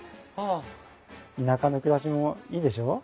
田舎の暮らしもいいでしょう？